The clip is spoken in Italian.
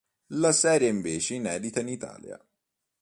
La serie è invece inedita in Italia.